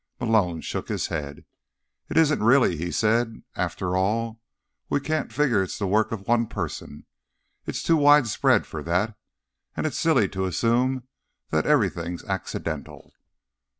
Malone shook his head. "It isn't really," he said. "After all, we can't figure it's the work of one person: it's too widespread for that. And it's silly to assume that everything's accidental."